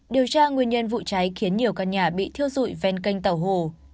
điều tra nguyên nhân vụ cháy khiến nhiều căn nhà bị thiêu dụi ven kênh tàu hồ